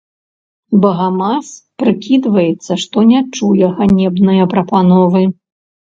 Багамаз прыкідваецца, што не чуе ганебнае прапановы.